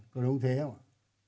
có đúng thế không ạ